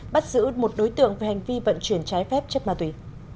bắt giữ một đối tượng về hành vi vận chuyển trái phép chất ma túy